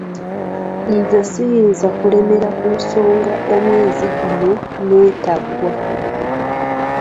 Nze siyinza kulemera ku nsonga omwezi guno neetaggwa.